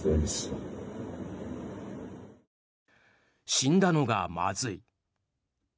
死んだのがまずい。